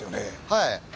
はい。